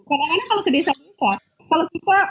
kadang kadang kalau ke desa desa kalau kita